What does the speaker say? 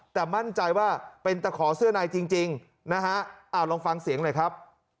แต่มั่นใจว่าเป็นตะขอเสื้อในจริงนะฮะลองฟังเสียงหน่อยครับ